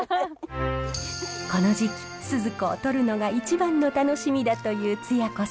この時期スズコをとるのが一番の楽しみだというつや子さん。